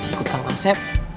ikut tangan sep